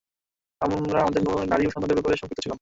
আমরা আমাদের নারী ও সন্তানদের ব্যাপারে শঙ্কিত ছিলাম।